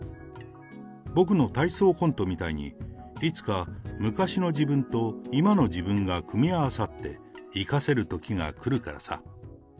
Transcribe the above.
僕の体操コントみたいに、いつか昔の自分と今の自分が組み合わさって、生かせるときが来るからさ。